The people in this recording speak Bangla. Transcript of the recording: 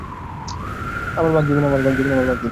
আমার ভাগ দিবি না?